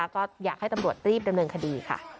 ก็อยากให้ตำรวจรีบดำเนินคดีค่ะ